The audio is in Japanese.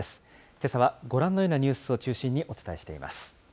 けさはご覧のようなニュースを中心にお伝えしています。